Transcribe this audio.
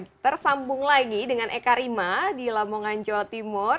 kita tersambung lagi dengan eka rima di lamongan jawa timur